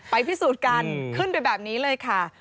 พิสูจน์กันขึ้นไปแบบนี้เลยค่ะ